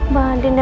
mbak andi dan kita